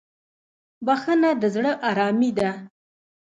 بخښنه د زړه ارامي ده.